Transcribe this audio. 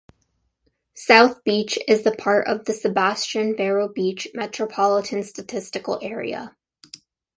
South Beach is part of the Sebastian-Vero Beach Metropolitan Statistical Area.